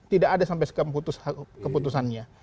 tidak ada sampai keputusannya